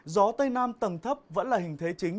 gió tây nam tầng thấp vẫn là hình thế chính